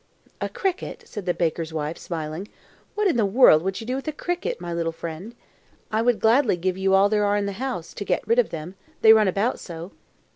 "A cricket," said the baker's wife, smiling; "what in the world would you do with a cricket, my little friend? I would gladly give you all there are in the house, to get rid of them, they run about so."